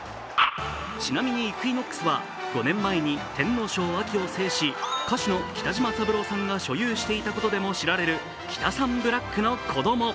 ちなみに、イクイノックスは５年前に天皇賞・秋を制し歌手の北島三郎さんが所有していたことでも知られる、キタサンブラックの子供。